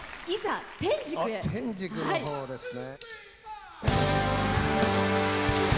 あっ天竺の方ですね。